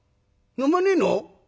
飲まねえの？